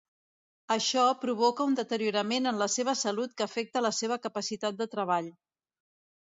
Això provoca un deteriorament en la seva salut que afecta la seva capacitat de treball.